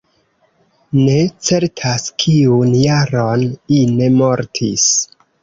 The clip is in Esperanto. Ne certas kiun jaron Ine mortis.